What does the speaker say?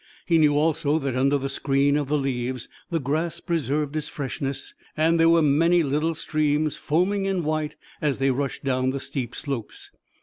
He knew also that under the screen of the leaves the grass preserved its freshness and there were many little streams, foaming in white as they rushed down the steep slopes.